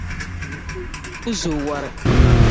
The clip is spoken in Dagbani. Kul’ tia ku zo wari.